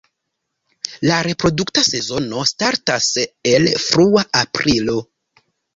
La reprodukta sezono startas el frua aprilo.